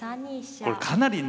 これかなりね